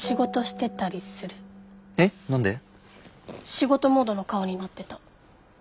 仕事モードの顔になってた。